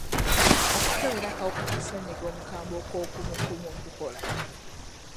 Okukebera kw'akawuka ka ssenyiga omukambwe okw'okumukumu kukola?